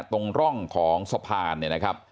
ตรงร่องของสะพานเนี่ยนะครับ